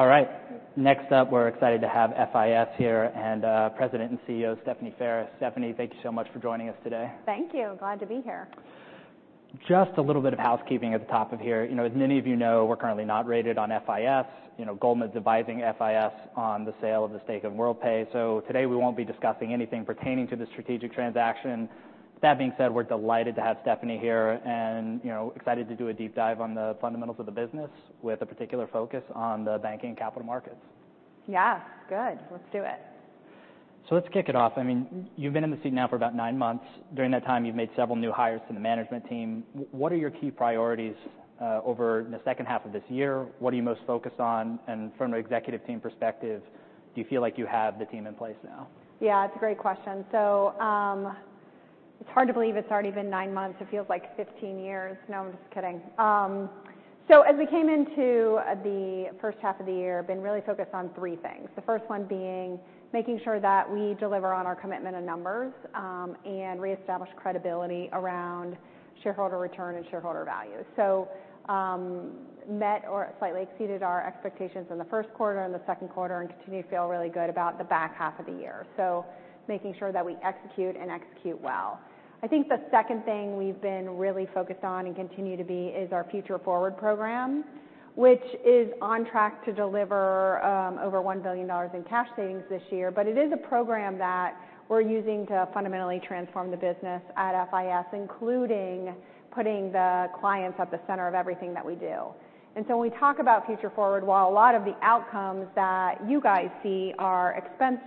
All right. Next up, we're excited to have FIS here, and President and CEO, Stephanie Ferris. Stephanie, thank you so much for joining us today. Thank you. Glad to be here. Just a little bit of housekeeping at the top here. You know, as many of you know, we're currently not rated on FIS. You know, Goldman Sachs's advising FIS on the sale of the stake of Worldpay. So today, we won't be discussing anything pertaining to the strategic transaction. That being said, we're delighted to have Stephanie here and, you know, excited to do a deep dive on the fundamentals of the business, with a particular focus on the banking and capital markets. Yeah. Good. Let's do it. So let's kick it off. I mean, you've been in the seat now for about nine months. During that time, you've made several new hires to the management team. What are your key priorities over the second half of this year? What are you most focused on? And from an executive team perspective, do you feel like you have the team in place now? Yeah, it's a great question. So, it's hard to believe it's already been nine months. It feels like 15 years. No, I'm just kidding. So as we came into the first half of the year, been really focused on three things. The first one being, making sure that we deliver on our commitment and numbers, and reestablish credibility around shareholder return and shareholder value. So, met or slightly exceeded our expectations in the first quarter and the second quarter, and continue to feel really good about the back half of the year. So making sure that we execute and execute well. I think the second thing we've been really focused on, and continue to be, is our Future Forward program, which is on track to deliver, over $1 billion in cash savings this year. But it is a program that we're using to fundamentally transform the business at FIS, including putting the clients at the center of everything that we do. And so when we talk about Future Forward, while a lot of the outcomes that you guys see are expense,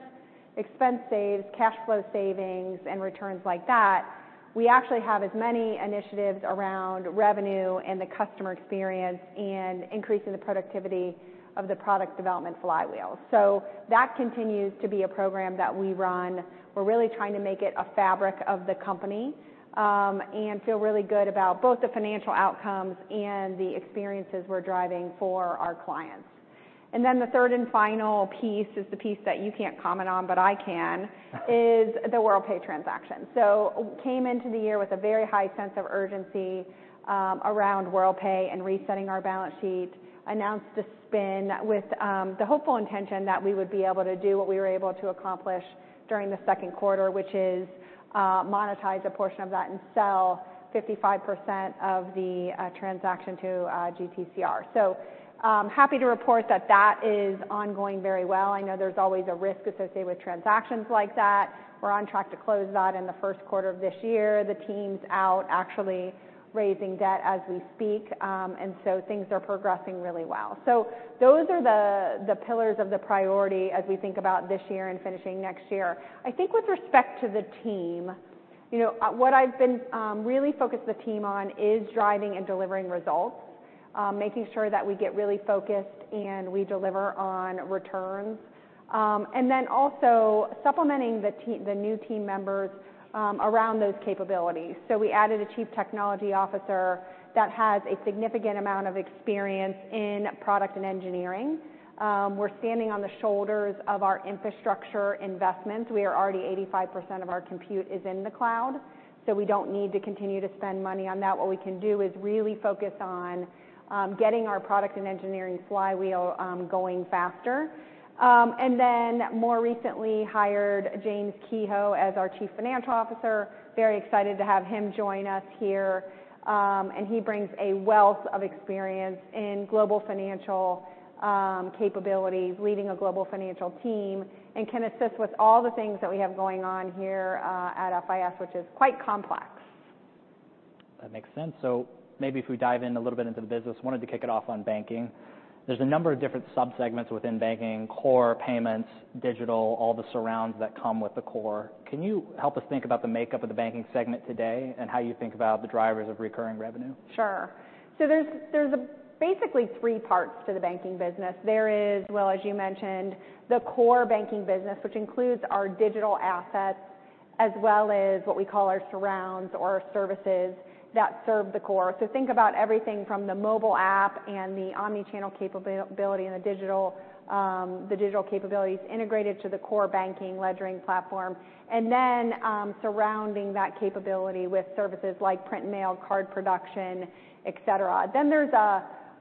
expense saves, cash flow savings, and returns like that, we actually have as many initiatives around revenue and the customer experience and increasing the productivity of the product development flywheel. So that continues to be a program that we run. We're really trying to make it a fabric of the company, and feel really good about both the financial outcomes and the experiences we're driving for our clients. And then the third and final piece is the piece that you can't comment on, but I can, is the Worldpay transaction. So came into the year with a very high sense of urgency around Worldpay and resetting our balance sheet. Announced a spin with the hopeful intention that we would be able to do what we were able to accomplish during the second quarter, which is monetize a portion of that and sell 55% of the transaction to GTCR. So, I'm happy to report that that is ongoing very well. I know there's always a risk associated with transactions like that. We're on track to close that in the first quarter of this year. The team's out actually raising debt as we speak, and so things are progressing really well. So those are the, the pillars of the priority as we think about this year and finishing next year. I think with respect to the team, you know, what I've been really focused the team on is driving and delivering results, making sure that we get really focused and we deliver on returns. And then also supplementing the new team members around those capabilities. So we added a chief technology officer that has a significant amount of experience in product and engineering. We're standing on the shoulders of our infrastructure investments. We are already 85% of our compute is in the cloud, so we don't need to continue to spend money on that. What we can do is really focus on getting our product and engineering flywheel going faster. And then more recently, hired James Kehoe as our Chief Financial Officer. Very excited to have him join us here. And he brings a wealth of experience in global financial capabilities, leading a global financial team, and can assist with all the things that we have going on here at FIS, which is quite complex. That makes sense. So maybe if we dive in a little bit into the business, wanted to kick it off on banking. There's a number of different subsegments within banking: core, payments, digital, all the surrounds that come with the core. Can you help us think about the makeup of the banking segment today and how you think about the drivers of recurring revenue? Sure. So there's basically three parts to the banking business. There is, well, as you mentioned, the core banking business, which includes our digital assets, as well as what we call our surrounds or services that serve the core. So think about everything from the mobile app and the omni-channel capability and the digital, the digital capabilities integrated to the core banking ledgering platform, and then, surrounding that capability with services like print and mail, card production, et cetera. Then there's.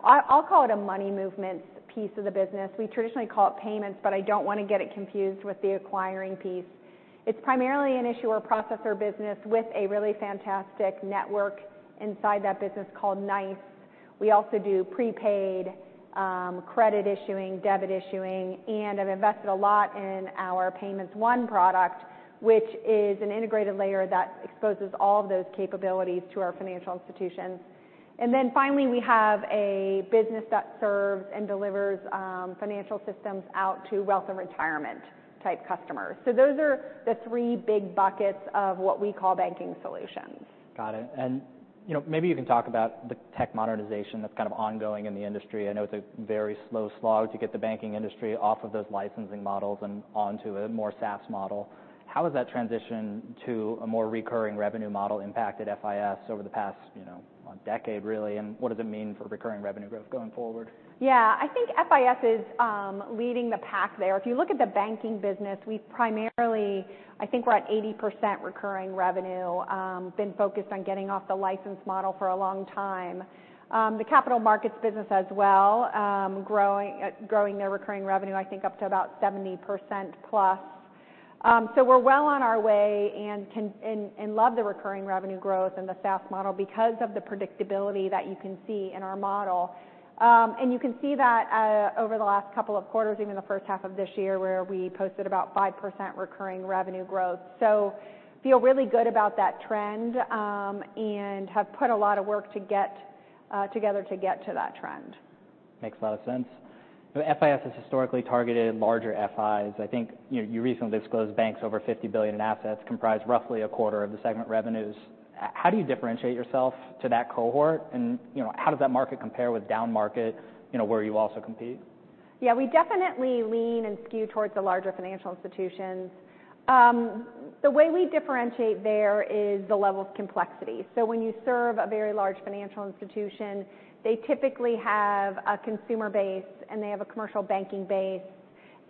I'll call it a money movement piece of the business. We traditionally call it payments, but I don't want to get it confused with the acquiring piece. It's primarily an issuer processor business with a really fantastic network inside that business called NYCE. We also do prepaid, credit issuing, debit issuing, and have invested a lot in our Payments One product, which is an integrated layer that exposes all of those capabilities to our financial institutions. And then finally, we have a business that serves and delivers, financial systems out to wealth and retirement-type customers. So those are the three big buckets of what we call banking solutions. Got it. And, you know, maybe you can talk about the tech modernization that's kind of ongoing in the industry. I know it's a very slow slog to get the banking industry off of those licensing models and onto a more SaaS model. How has that transition to a more recurring revenue model impacted FIS over the past, you know, a decade, really? And what does it mean for recurring revenue growth going forward? Yeah. I think FIS is leading the pack there. If you look at the banking business, we've primarily, I think we're at 80% recurring revenue, been focused on getting off the license model for a long time. The capital markets business as well, growing their recurring revenue, I think up to about +70%. So we're well on our way and can and love the recurring revenue growth and the SaaS model because of the predictability that you can see in our model. And you can see that over the last couple of quarters, even the first half of this year, where we posted about 5% recurring revenue growth. So feel really good about that trend, and have put a lot of work to get together to get to that trend. Makes a lot of sense. FIS has historically targeted larger FIs. I think, you know, you recently disclosed banks over $50 billion in assets comprise roughly a quarter of the segment revenues. How do you differentiate yourself to that cohort? And, you know, how does that market compare with downmarket, you know, where you also compete? Yeah, we definitely lean and skew towards the larger financial institutions. The way we differentiate there is the level of complexity. So when you serve a very large financial institution, they typically have a consumer base, and they have a commercial banking base.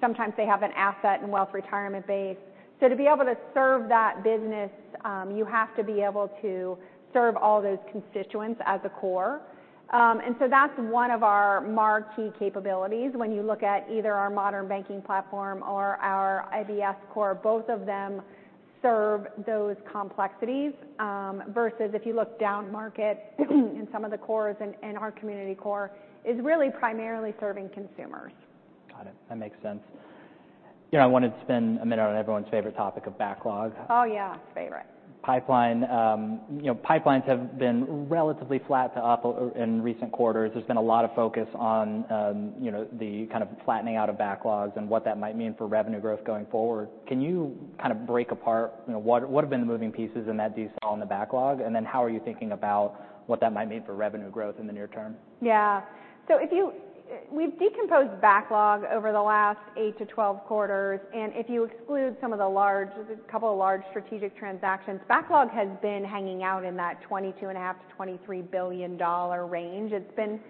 Sometimes they have an asset and wealth retirement base. So to be able to serve that business, you have to be able to serve all those constituents as a core. And so that's one of our marquee capabilities when you look at either our Modern Banking Platform or our IBS core. Both of them serve those complexities, versus if you look downmarket in some of the cores and our community core is really primarily serving consumers. Got it. That makes sense. You know, I wanted to spend a minute on everyone's favorite topic of backlog. Oh, yeah. Favorite. Pipeline. You know, pipelines have been relatively flat to up in recent quarters. There's been a lot of focus on, you know, the kind of flattening out of backlogs and what that might mean for revenue growth going forward. Can you kind of break apart, you know, what, what have been the moving pieces in that do you sell in the backlog? And then how are you thinking about what that might mean for revenue growth in the near term? Yeah. So if you, we've decomposed backlog over the last 8-12 quarters, and if you exclude some of the large, a couple of large strategic transactions, backlog has been hanging out in that $22.5 billion-$23 billion range. It's been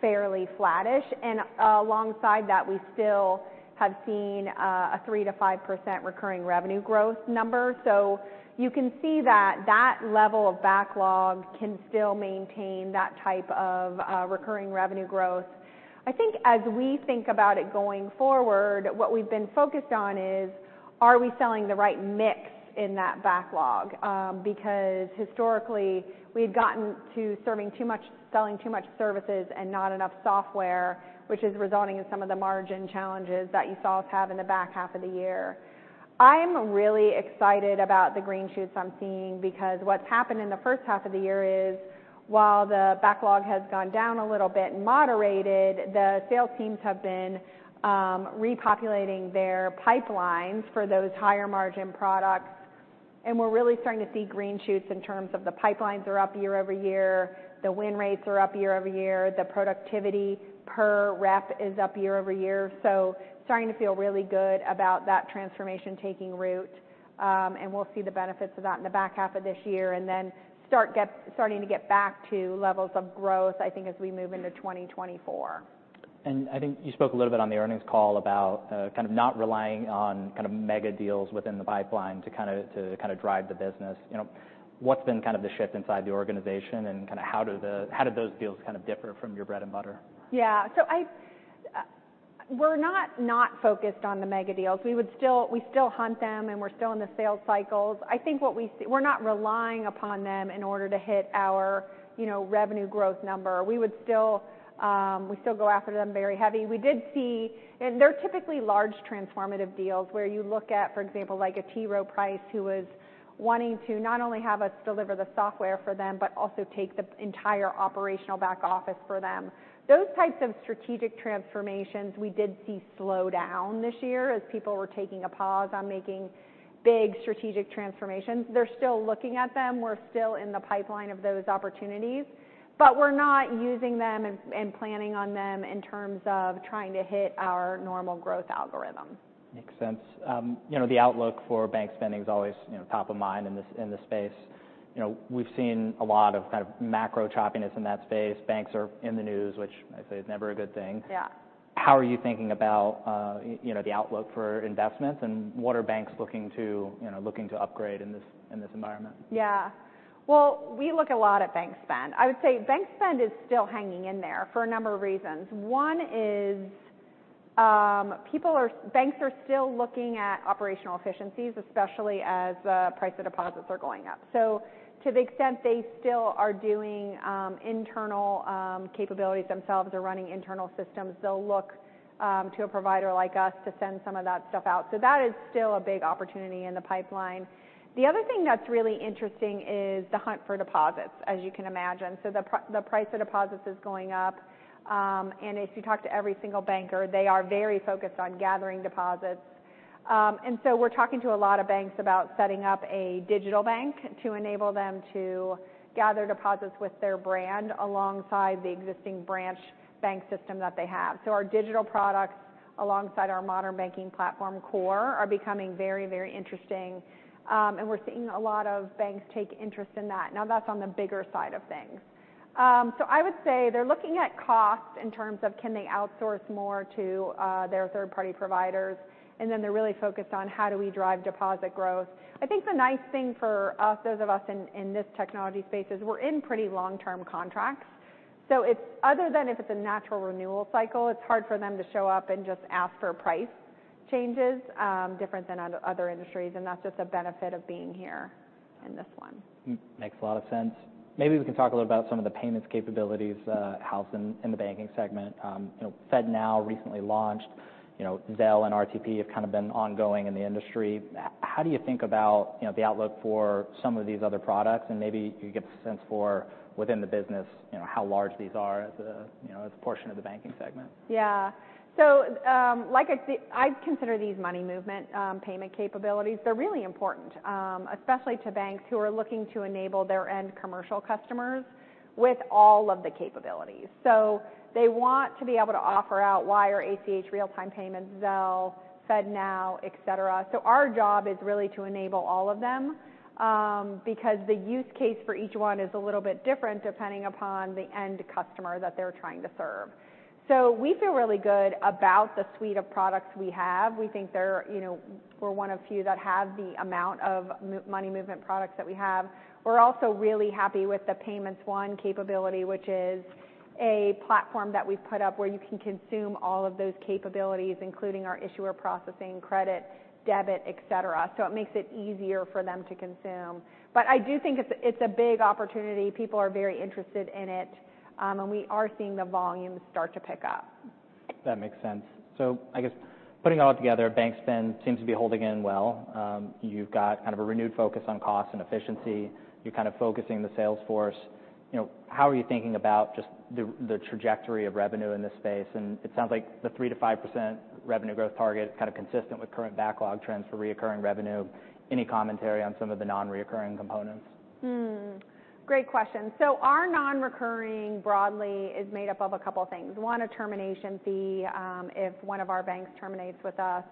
fairly flattish, and alongside that, we still have seen a 3%-5% recurring revenue growth number. So you can see that that level of backlog can still maintain that type of recurring revenue growth. I think as we think about it going forward, what we've been focused on is: are we selling the right mix in that backlog? Because historically, we've gotten to serving too much, selling too much services and not enough software, which is resulting in some of the margin challenges that you saw us have in the back half of the year. I'm really excited about the green shoots I'm seeing, because what's happened in the first half of the year is, while the backlog has gone down a little bit and moderated, the sales teams have been repopulating their pipelines for those higher-margin products, and we're really starting to see green shoots in terms of the pipelines are up year-over-year, the win rates are up year-over-year, the productivity per rep is up year-over-year. So starting to feel really good about that transformation taking root. And we'll see the benefits of that in the back half of this year, and then starting to get back to levels of growth, I think, as we move into 2024. I think you spoke a little bit on the earnings call about kind of not relying on kind of mega deals within the pipeline to kind of, to kind of drive the business. You know, what's been kind of the shift inside the organization, and kind of how do those deals kind of differ from your bread and butter? Yeah. So we're not focused on the mega deals. We would still, we still hunt them, and we're still in the sales cycles. I think what we see, we're not relying upon them in order to hit our, you know, revenue growth number. We would still, we still go after them very heavy. We did see, and they're typically large transformative deals where you look at, for example, like a T. Rowe Price, who was wanting to not only have us deliver the software for them, but also take the entire operational back office for them. Those types of strategic transformations we did see slow down this year as people were taking a pause on making big strategic transformations. They're still looking at them. We're still in the pipeline of those opportunities, but we're not using them and planning on them in terms of trying to hit our normal growth algorithm. Makes sense. You know, the outlook for bank spending is always, you know, top of mind in this, in this space. You know, we've seen a lot of kind of macro choppiness in that space. Banks are in the news, which I say is never a good thing. Yeah. How are you thinking about, you know, the outlook for investments, and what are banks looking to, you know, upgrade in this environment? Yeah. Well, we look a lot at bank spend. I would say bank spend is still hanging in there for a number of reasons. One is, people are-- banks are still looking at operational efficiencies, especially as the price of deposits are going up. So to the extent they still are doing, internal, capabilities themselves or running internal systems, they'll look, to a provider like us to send some of that stuff out. So that is still a big opportunity in the pipeline. The other thing that's really interesting is the hunt for deposits, as you can imagine. So the price of deposits is going up. And if you talk to every single banker, they are very focused on gathering deposits. And so we're talking to a lot of banks about setting up a digital bank to enable them to gather deposits with their brand alongside the existing branch bank system that they have. So our digital products, alongside our Modern Banking Platform core, are becoming very, very interesting, and we're seeing a lot of banks take interest in that. Now, that's on the bigger side of things. So I would say they're looking at cost in terms of, can they outsource more to their third-party providers? And then they're really focused on: how do we drive deposit growth? I think the nice thing for us, those of us in this technology space, is we're in pretty long-term contracts. So it's other than if it's a natural renewal cycle, it's hard for them to show up and just ask for price changes, different than other, other industries, and that's just a benefit of being here in this one. Hmm, makes a lot of sense. Maybe we can talk a little about some of the payments capabilities housed in the banking segment. You know, FedNow recently launched, you know, Zelle and RTP have kind of been ongoing in the industry. How do you think about, you know, the outlook for some of these other products? And maybe you get the sense for within the business, you know, how large these are as a, you know, as a portion of the banking segment. Yeah. So, like I see—I'd consider these money movement, payment capabilities. They're really important, especially to banks who are looking to enable their end commercial customers with all of the capabilities. So they want to be able to offer out wire or ACH real-time payments, Zelle, FedNow, et cetera. So our job is really to enable all of them, because the use case for each one is a little bit different depending upon the end customer that they're trying to serve. So we feel really good about the suite of products we have. We think they're, you know, we're one of few that have the amount of money movement products that we have. We're also really happy with the Payments One capability, which is a platform that we've put up where you can consume all of those capabilities, including our issuer processing, credit, debit, et cetera. So it makes it easier for them to consume. But I do think it's a, it's a big opportunity. People are very interested in it, and we are seeing the volumes start to pick up. That makes sense. So I guess putting it all together, bank spend seems to be holding in well. You've got kind of a renewed focus on cost and efficiency. You're kind of focusing the sales force. You know, how are you thinking about just the, the trajectory of revenue in this space? And it sounds like the 3%-5% revenue growth target is kind of consistent with current backlog trends for recurring revenue. Any commentary on some of the non-recurring components? Great question. So our non-recurring, broadly, is made up of a couple of things. One, a termination fee, if one of our banks terminates with us.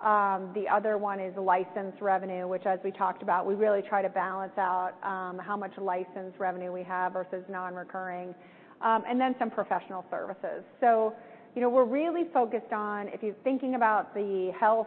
The other one is license revenue, which as we talked about, we really try to balance out, how much license revenue we have versus non-recurring, and then some professional services. So, you know, we're really focused on if you're thinking about the health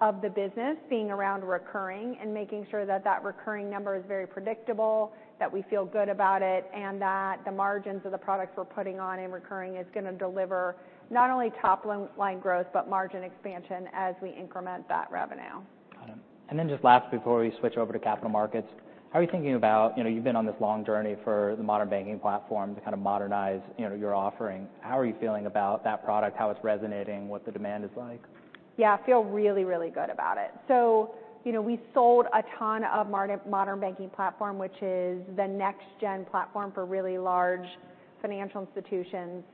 of the business being around recurring and making sure that that recurring number is very predictable, that we feel good about it, and that the margins of the products we're putting on in recurring is gonna deliver not only top line growth, but margin expansion as we increment that revenue. Got it. And then just last, before we switch over to Capital Markets, how are you thinking about...you know, you've been on this long journey for the Modern Banking Platform to kind of modernize, you know, your offering. How are you feeling about that product, how it's resonating, what the demand is like? Yeah. I feel really, really good about it. So, you know, we sold a ton of Modern Banking Platform, which is the next gen platform for really large financial institutions.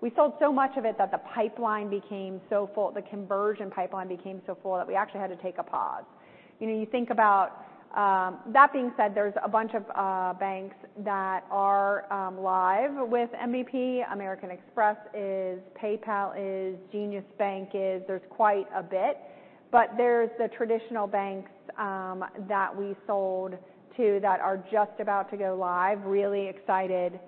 We sold so much of it that the pipeline became so full that the conversion pipeline became so full that we actually had to take a pause. You know, you think about... That being said, there's a bunch of banks that are live with MBP. American Express is, PayPal is, Jenius Bank is. There's quite a bit, but there's the traditional banks that we sold to that are just about to go live. Really excited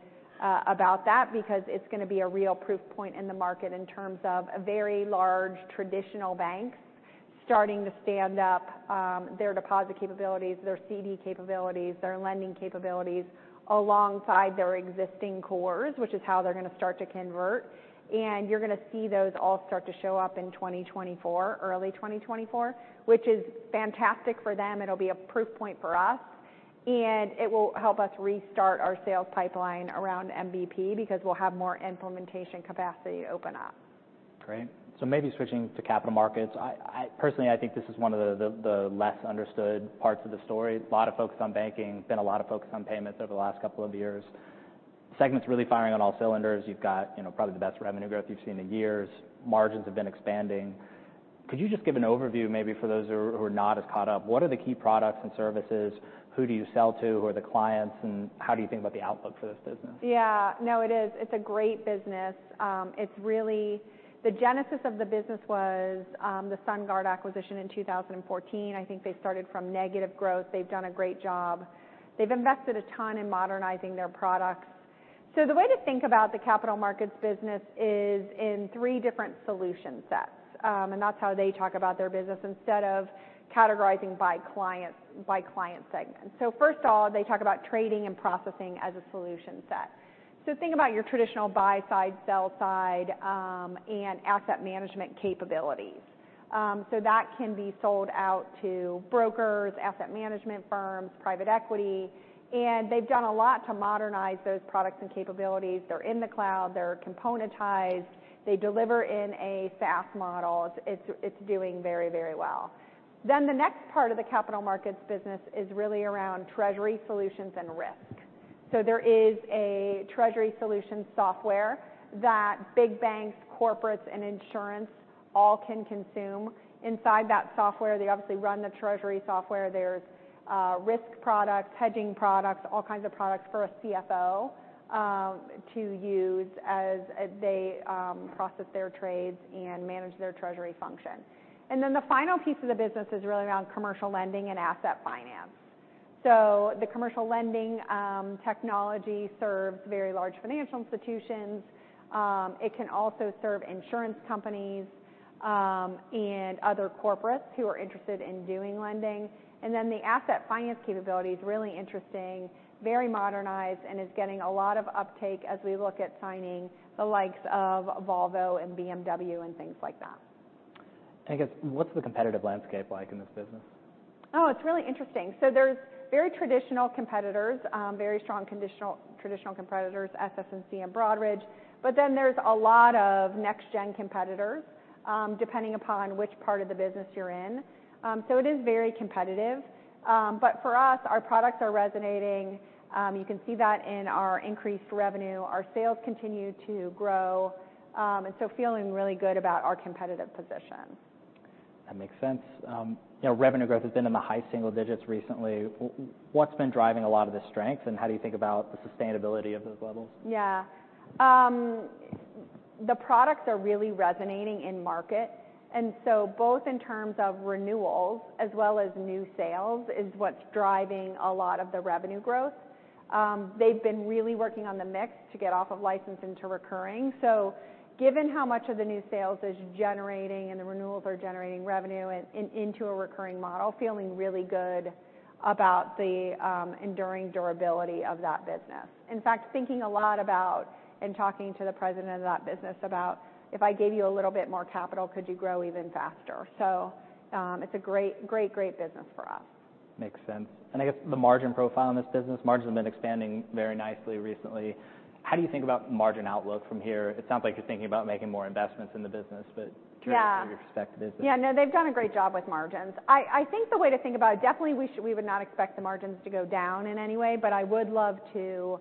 about that because it's gonna be a real proof point in the market in terms of a very large traditional banks starting to stand up their deposit capabilities, their CD capabilities, their lending capabilities alongside their existing cores, which is how they're gonna start to convert. You're gonna see those all start to show up in 2020, early 2024, which is fantastic for them. It'll be a proof point for us, and it will help us restart our sales pipeline around MBP because we'll have more implementation capacity open up. Great. So maybe switching to capital markets. Personally, I think this is one of the less understood parts of the story. A lot of focus on banking, been a lot of focus on payments over the last couple of years. Segment's really firing on all cylinders. You've got, you know, probably the best revenue growth you've seen in years. Margins have been expanding. Could you just give an overview, maybe for those who are not as caught up, what are the key products and services? Who do you sell to? Who are the clients, and how do you think about the outlook for this business? Yeah. No, it is. It's a great business. It's really the genesis of the business was the SunGard acquisition in 2014. I think they started from negative growth. They've done a great job. They've invested a ton in modernizing their products. So the way to think about the capital markets business is in three different solution sets, and that's how they talk about their business instead of categorizing by client, by client segment. So first of all, they talk about trading and processing as a solution set. So think about your traditional buy side, sell side, and asset management capabilities. So that can be sold out to brokers, asset management firms, private equity, and they've done a lot to modernize those products and capabilities. They're in the cloud, they're componentized, they deliver in a SaaS model. It's doing very, very well. Then, the next part of the capital markets business is really around treasury solutions and risk. So there is a treasury solution software that big banks, corporates, and insurance all can consume. Inside that software, they obviously run the treasury software. There's risk products, hedging products, all kinds of products for a CFO to use as they process their trades and manage their treasury function. And then the final piece of the business is really around commercial lending and asset finance. So the commercial lending technology serves very large financial institutions. It can also serve insurance companies and other corporates who are interested in doing lending. And then the asset finance capability is really interesting, very modernized, and is getting a lot of uptake as we look at signing the likes of Volvo and BMW, and things like that. I guess, what's the competitive landscape like in this business? Oh, it's really interesting. So there's very traditional competitors, very strong traditional competitors, SS&C and Broadridge. But then there's a lot of next-gen competitors, depending upon which part of the business you're in. So it is very competitive. But for us, our products are resonating. You can see that in our increased revenue. Our sales continue to grow, and so feeling really good about our competitive position. That makes sense. You know, revenue growth has been in the high single digits recently. What's been driving a lot of the strength, and how do you think about the sustainability of those levels? Yeah. The products are really resonating in market, and so both in terms of renewals as well as new sales, is what's driving a lot of the revenue growth. They've been really working on the mix to get off of license into recurring. So given how much of the new sales is generating and the renewals are generating revenue and in, into a recurring model, feeling really good about the, enduring durability of that business. In fact, thinking a lot about and talking to the president of that business about, "If I gave you a little bit more capital, could you grow even faster?" So, it's a great, great, great business for us. Makes sense. And I guess the margin profile in this business, margin's been expanding very nicely recently. How do you think about margin outlook from here? It sounds like you're thinking about making more investments in the business, but. Yeah. Curious about your perspective is. Yeah, no, they've done a great job with margins. I think the way to think about it, definitely we should—we would not expect the margins to go down in any way, but I would love to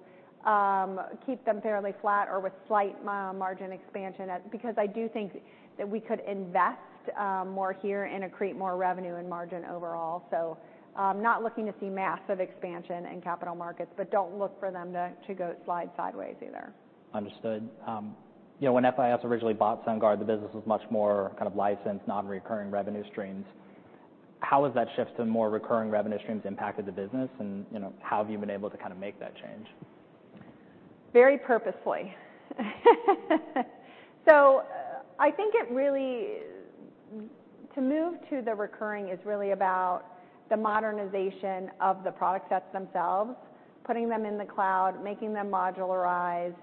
keep them fairly flat or with slight margin expansion, because I do think that we could invest more here and it create more revenue and margin overall. So, not looking to see massive expansion in capital markets, but don't look for them to go slide sideways either. Understood. You know, when FIS originally bought SunGard, the business was much more kind of licensed, non-recurring revenue streams. How has that shift to more recurring revenue streams impacted the business? And, you know, how have you been able to kind of make that change? Very purposefully. So I think it really... To move to the recurring is really about the modernization of the product sets themselves, putting them in the cloud, making them modularized,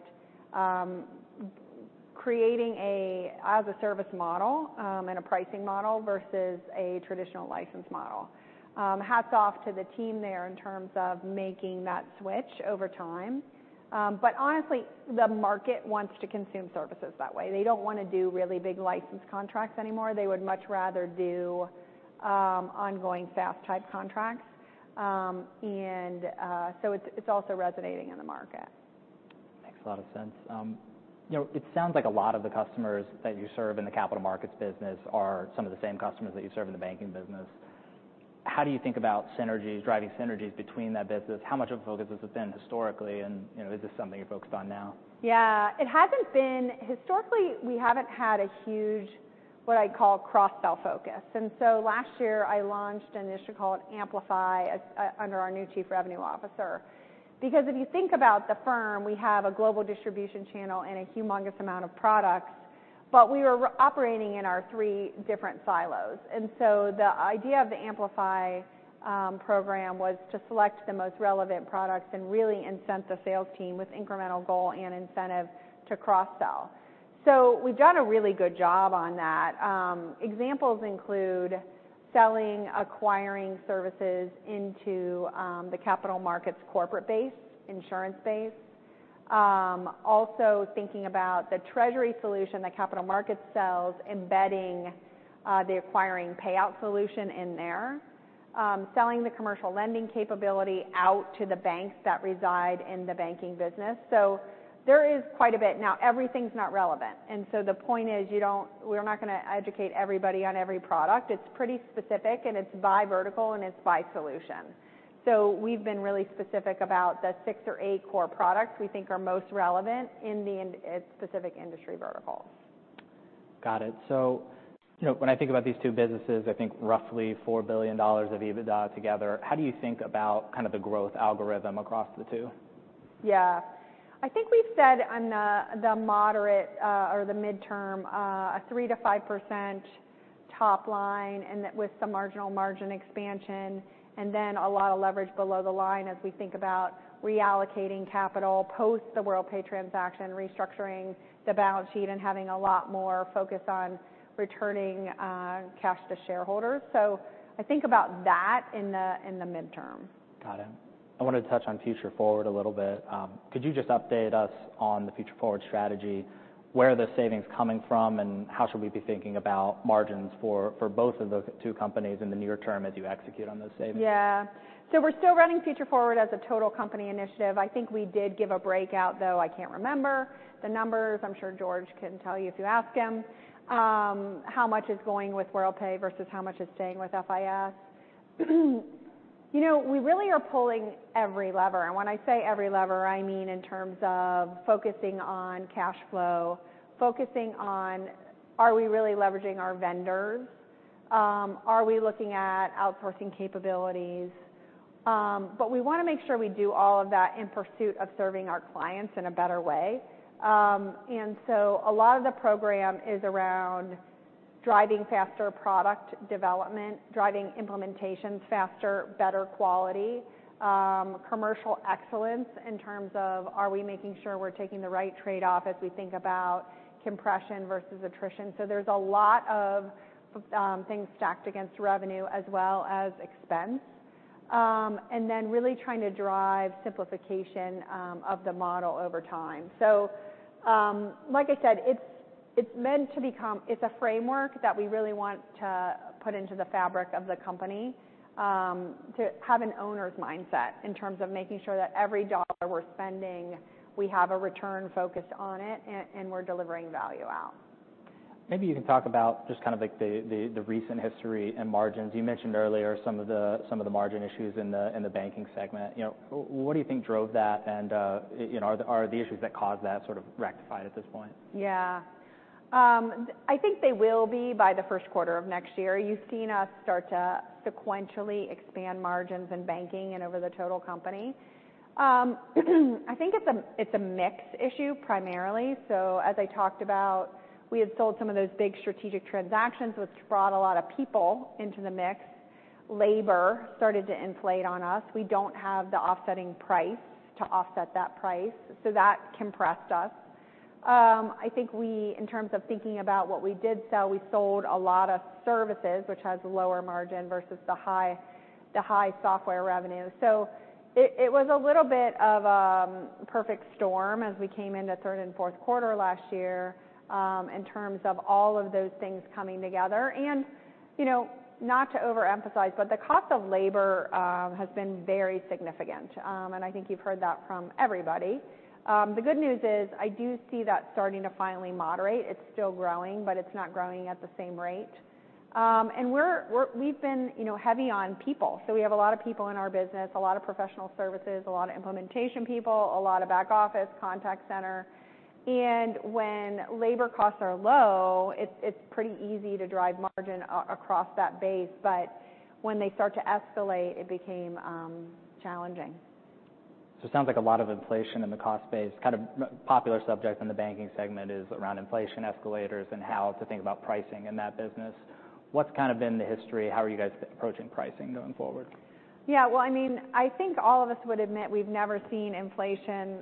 creating an as-a-service model, and a pricing model versus a traditional license model. Hats off to the team there in terms of making that switch over time. But honestly, the market wants to consume services that way. They don't want to do really big license contracts anymore. They would much rather do ongoing SaaS-type contracts. And so it's also resonating in the market. Makes a lot of sense. You know, it sounds like a lot of the customers that you serve in the capital markets business are some of the same customers that you serve in the banking business. How do you think about synergies, driving synergies between that business? How much of a focus has this been historically, and, you know, is this something you're focused on now? Yeah, it hasn't been... Historically, we haven't had a huge, what I'd call, cross-sell focus. And so last year, I launched an initiative called Amplify under our new chief revenue officer. Because if you think about the firm, we have a global distribution channel and a humongous amount of products, but we were operating in our three different silos. And so the idea of the Amplify program was to select the most relevant products and really incent the sales team with incremental goal and incentive to cross-sell. So we've done a really good job on that. Examples include selling acquiring services into the capital markets corporate base, insurance base. Also thinking about the treasury solution, the capital markets sells embedding the acquiring payout solution in there. Selling the commercial lending capability out to the banks that reside in the banking business. So there is quite a bit. Now, everything's not relevant, and so the point is, we're not gonna educate everybody on every product. It's pretty specific, and it's by vertical, and it's by solution. So we've been really specific about the six or eight core products we think are most relevant in the specific industry verticals. Got it. So, you know, when I think about these two businesses, I think roughly $4 billion of EBITDA together, how do you think about kind of the growth algorithm across the two? Yeah. I think we've said on the, the moderate, or the midterm, a 3%-5% top line, and that with some marginal margin expansion, and then a lot of leverage below the line as we think about reallocating capital, post the Worldpay transaction, restructuring the balance sheet, and having a lot more focus on returning, cash to shareholders. So I think about that in the, in the midterm. Got it. I want to touch on Future Forward a little bit. Could you just update us on the Future Forward strategy? Where are the savings coming from, and how should we be thinking about margins for, for both of those two companies in the near term as you execute on those savings? Yeah. So we're still running Future Forward as a total company initiative. I think we did give a breakout, though I can't remember the numbers. I'm sure George can tell you if you ask him, how much is going with Worldpay versus how much is staying with FIS. You know, we really are pulling every lever, and when I say every lever, I mean in terms of focusing on cash flow, focusing on, are we really leveraging our vendors? Are we looking at outsourcing capabilities? But we want to make sure we do all of that in pursuit of serving our clients in a better way. And so a lot of the program is around driving faster product development, driving implementations faster, better quality, commercial excellence, in terms of are we making sure we're taking the right trade-off as we think about compression versus attrition? So there's a lot of things stacked against revenue as well as expense. And then really trying to drive simplification of the model over time. So, like I said, it's, it's meant to become, it's a framework that we really want to put into the fabric of the company, to have an owner's mindset, in terms of making sure that every dollar we're spending, we have a return focus on it, and, and we're delivering value out. Maybe you can talk about just kind of like the recent history and margins. You mentioned earlier some of the margin issues in the banking segment. You know, what do you think drove that? And, you know, are the issues that caused that sort of rectified at this point? Yeah. I think they will be by the first quarter of next year. You've seen us start to sequentially expand margins in banking and over the total company. I think it's a, it's a mix issue, primarily. So as I talked about, we had sold some of those big strategic transactions, which brought a lot of people into the mix. Labor started to inflate on us. We don't have the offsetting price to offset that price, so that compressed us. I think we, in terms of thinking about what we did sell, we sold a lot of services, which has lower margin versus the high, the high software revenue. So it, it was a little bit of, perfect storm as we came into third and fourth quarter last year, in terms of all of those things coming together. You know, not to overemphasize, but the cost of labor has been very significant. And I think you've heard that from everybody. The good news is, I do see that starting to finally moderate. It's still growing, but it's not growing at the same rate. And we've been, you know, heavy on people. So we have a lot of people in our business, a lot of professional services, a lot of implementation people, a lot of back office, contact center. And when labor costs are low, it's pretty easy to drive margin across that base. But when they start to escalate, it became challenging. It sounds like a lot of inflation in the cost base. Kind of popular subject in the banking segment is around inflation escalators and how to think about pricing in that business. What's kind of been the history? How are you guys approaching pricing going forward? Yeah. Well, I mean, I think all of us would admit, we've never seen inflation,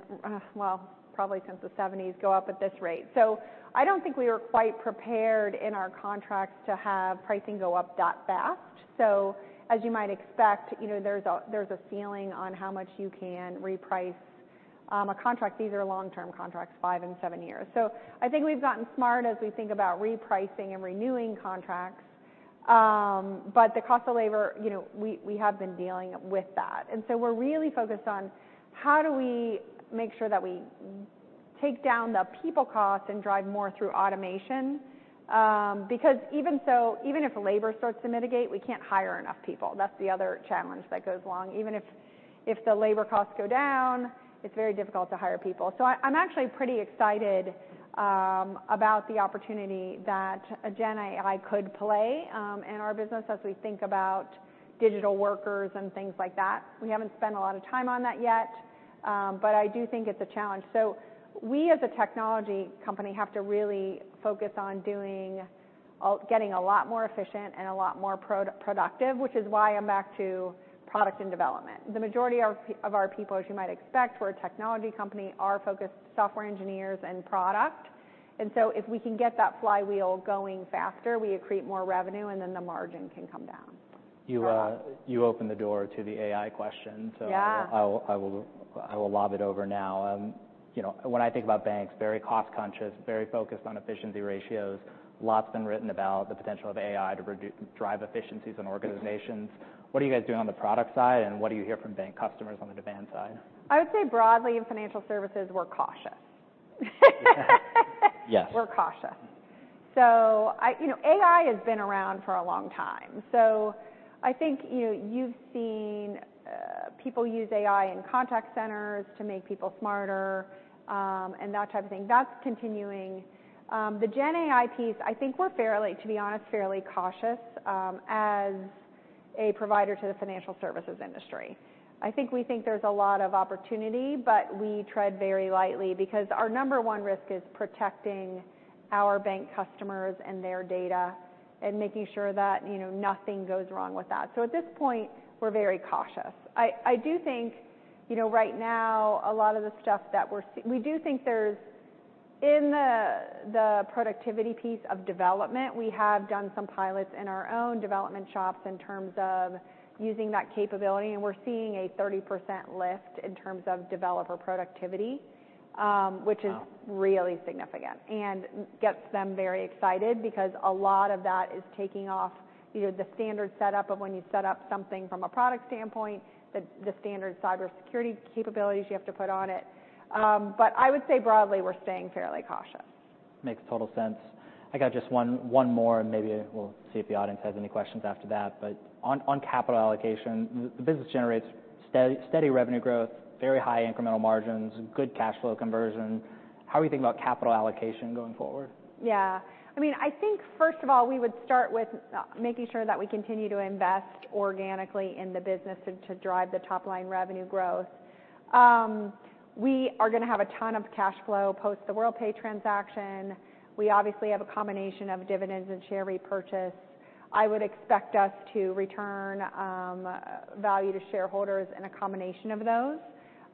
well, probably since the seventies, go up at this rate. So I don't think we were quite prepared in our contracts to have pricing go up that fast. So as you might expect, you know, there's a ceiling on how much you can reprice a contract. These are long-term contracts, five and seven years. So I think we've gotten smart as we think about repricing and renewing contracts. But the cost of labor, you know, we have been dealing with that. And so we're really focused on how do we make sure that we take down the people cost and drive more through automation? Because even so, even if labor starts to mitigate, we can't hire enough people. That's the other challenge that goes along. Even if the labor costs go down, it's very difficult to hire people. So I'm actually pretty excited about the opportunity that GenAI could play in our business as we think about digital workers and things like that. We haven't spent a lot of time on that yet, but I do think it's a challenge. So we, as a technology company, have to really focus on getting a lot more efficient and a lot more productive, which is why I'm back to product and development. The majority of our people, as you might expect, we're a technology company, are focused software engineers and product. And so if we can get that flywheel going faster, we accrete more revenue, and then the margin can come down. You, you opened the door to the AI question, so- Yeah. I'll lob it over now. You know, when I think about banks, very cost conscious, very focused on efficiency ratios. Lots has been written about the potential of AI to drive efficiencies in organizations. What are you guys doing on the product side, and what do you hear from bank customers on the demand side? I would say broadly, in financial services, we're cautious. Yes. We're cautious. So, you know, AI has been around for a long time, so I think, you know, you've seen people use AI in contact centers to make people smarter, and that type of thing. That's continuing. The GenAI piece, I think we're fairly, to be honest, fairly cautious, as a provider to the financial services industry. I think we think there's a lot of opportunity, but we tread very lightly because our number one risk is protecting our bank customers and their data, and making sure that, you know, nothing goes wrong with that. So at this point, we're very cautious. I do think, you know, right now, a lot of the stuff that we do think there's. In the productivity piece of development, we have done some pilots in our own development shops in terms of using that capability, and we're seeing a 30% lift in terms of developer productivity. Wow! - which is really significant and gets them very excited because a lot of that is taking off, you know, the standard setup of when you set up something from a product standpoint, the standard cybersecurity capabilities you have to put on it. But I would say broadly, we're staying fairly cautious. Makes total sense. I got just one more, and maybe we'll see if the audience has any questions after that. But on capital allocation, the business generates steady, steady revenue growth, very high incremental margins, good cash flow conversion. How are you thinking about capital allocation going forward? Yeah. I mean, I think first of all, we would start with making sure that we continue to invest organically in the business to drive the top-line revenue growth. We are gonna have a ton of cash flow post the Worldpay transaction. We obviously have a combination of dividends and share repurchase. I would expect us to return value to shareholders in a combination of those.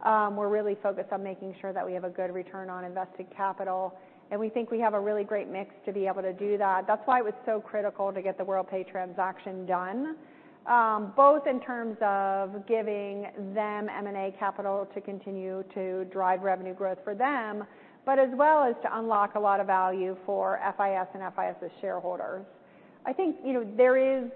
We're really focused on making sure that we have a good return on invested capital, and we think we have a really great mix to be able to do that. That's why it was so critical to get the Worldpay transaction done, both in terms of giving them M&A capital to continue to drive revenue growth for them, but as well as to unlock a lot of value for FIS and FIS's shareholders. I think, you know,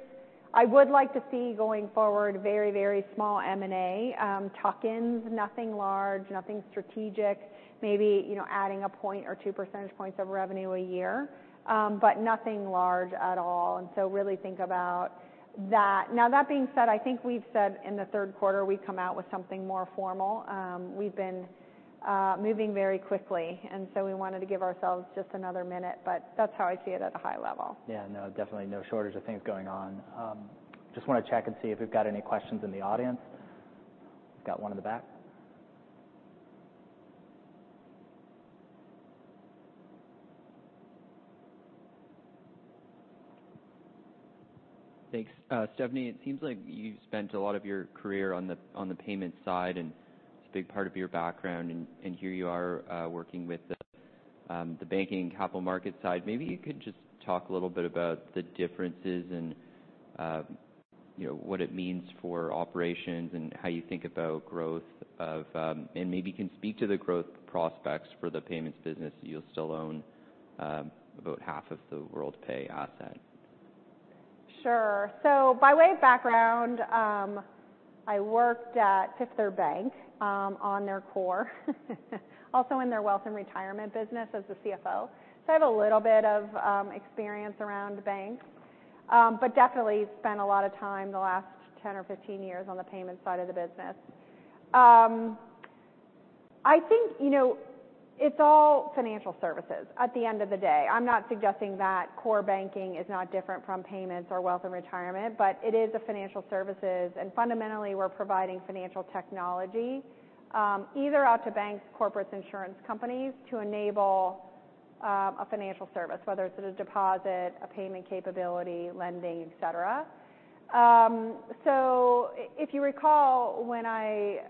I would like to see, going forward, very, very small M&A, tuck-ins, nothing large, nothing strategic, maybe, you know, adding a point or two percentage points of revenue a year, but nothing large at all. And so really think about that. Now, that being said, I think we've said in the third quarter, we'd come out with something more formal. We've been moving very quickly, and so we wanted to give ourselves just another minute, but that's how I see it at a high level. Yeah. No, definitely no shortage of things going on. Just wanna check and see if we've got any questions in the audience. Got one in the back. Thanks. Stephanie, it seems like you've spent a lot of your career on the payments side, and it's a big part of your background. And here you are, working with the banking and capital markets side. Maybe you could just talk a little bit about the differences and, you know, what it means for operations and how you think about growth of... And maybe you can speak to the growth prospects for the payments business that you'll still own, about half of the Worldpay asset. Sure. So by way of background, I worked at Fifth Third Bank, on their core, also in their wealth and retirement business as the CFO. So I have a little bit of experience around banks, but definitely spent a lot of time, the last 10 or 15 years, on the payments side of the business. I think, you know, it's all financial services at the end of the day. I'm not suggesting that core banking is not different from payments or wealth and retirement, but it is a financial services. And fundamentally, we're providing financial technology, either out to banks, corporates, insurance companies, to enable a financial service, whether it's through a deposit, a payment capability, lending, et cetera. So if you recall, when I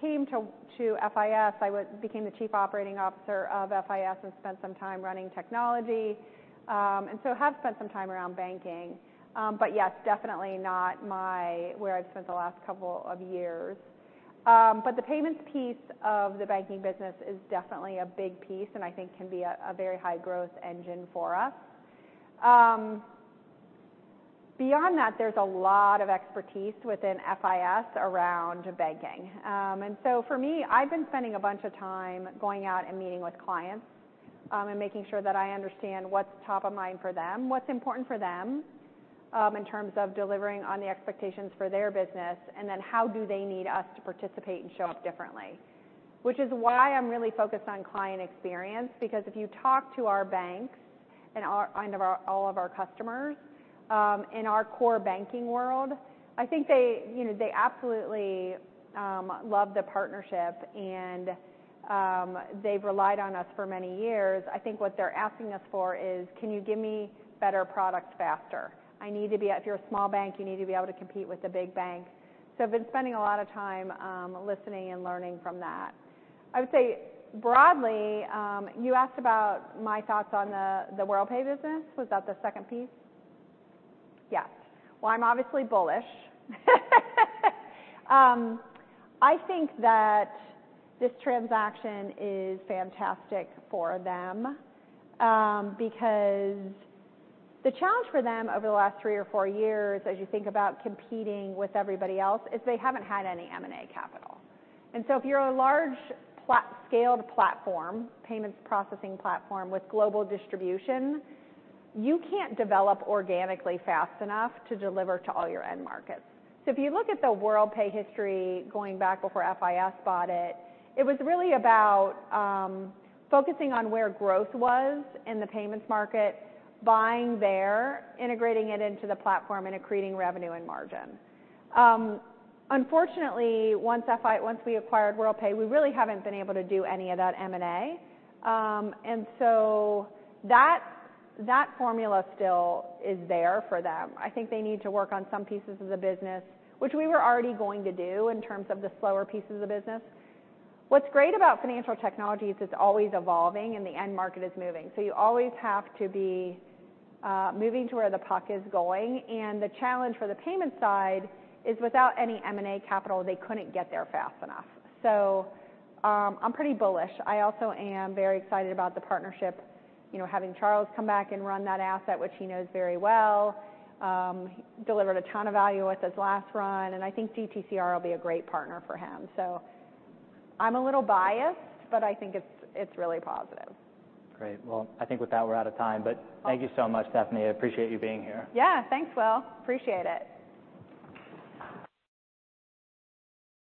came to FIS, I became the Chief Operating Officer of FIS and spent some time running technology, and so have spent some time around banking. But yes, definitely not my where I've spent the last couple of years. But the payments piece of the banking business is definitely a big piece, and I think can be a very high growth engine for us. Beyond that, there's a lot of expertise within FIS around banking. And so for me, I've been spending a bunch of time going out and meeting with clients, and making sure that I understand what's top of mind for them, what's important for them, in terms of delivering on the expectations for their business, and then how do they need us to participate and show up differently? Which is why I'm really focused on client experience, because if you talk to our banks and all of our customers in our core banking world, I think they, you know, they absolutely love the partnership and they've relied on us for many years. I think what they're asking us for is: Can you give me better product faster? I need to be at... If you're a small bank, you need to be able to compete with the big bank. So I've been spending a lot of time listening and learning from that. I would say broadly, you asked about my thoughts on the Worldpay business. Was that the second piece? Yeah. Well, I'm obviously bullish. I think that this transaction is fantastic for them, because the challenge for them over the last three or four years, as you think about competing with everybody else, is they haven't had any M&A capital. And so if you're a large-scale payments processing platform with global distribution, you can't develop organically fast enough to deliver to all your end markets. So if you look at the Worldpay history going back before FIS bought it, it was really about focusing on where growth was in the payments market, buying there, integrating it into the platform, and accreting revenue and margin. Unfortunately, once we acquired Worldpay, we really haven't been able to do any of that M&A. And so that formula still is there for them. I think they need to work on some pieces of the business, which we were already going to do in terms of the slower pieces of the business. What's great about financial technology is it's always evolving and the end market is moving, so you always have to be moving to where the puck is going. And the challenge for the payment side is, without any M&A capital, they couldn't get there fast enough. So, I'm pretty bullish. I also am very excited about the partnership, you know, having Charles come back and run that asset, which he knows very well. Delivered a ton of value with his last run, and I think GTCR will be a great partner for him. So I'm a little biased, but I think it's, it's really positive. Great. Well, I think with that, we're out of time, but- Okay. Thank you so much, Stephanie. I appreciate you being here. Yeah. Thanks, Will. Appreciate it.